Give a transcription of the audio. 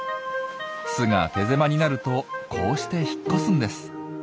巣が手狭になるとこうして引っ越すんです。